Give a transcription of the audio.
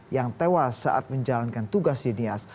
yang tewas saat menjalankan tugas di nias